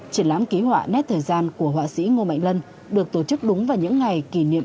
triển lãm ký họa nét thời gian của họa sĩ ngô mạnh lân được tổ chức đúng vào những ngày kỷ niệm